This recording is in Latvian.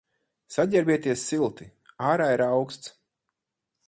Saģērbieties silti, ārā ir auksts.